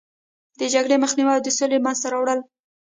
د جګړې مخنیوی او د سولې منځته راوړل.